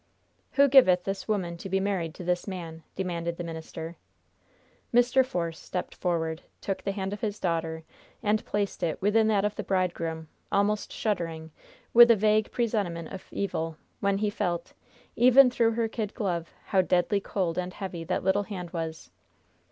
"'Who giveth this woman to be married to this man?'" demanded the minister. Mr. Force stepped forward, took the hand of his daughter and placed it within that of the bridegroom, almost shuddering with a vague presentiment of evil, when he felt, even through her kid glove, how deadly cold and heavy that little hand was!